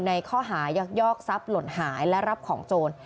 ในข้อหายักยอกทรัพย์หล่นหายและรับของโจร